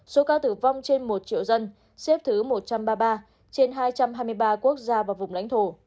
số ca tử vong trên một triệu dân xếp thứ một trăm ba mươi ba trên hai trăm hai mươi ba quốc gia và vùng lãnh thổ